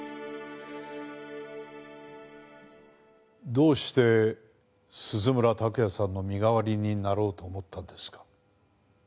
どうして鈴村拓也さんの身代わりになろうと思ったんですか？